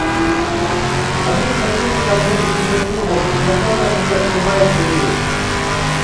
Они входили ко мне друг за другом, иногда даже не открывая дверей.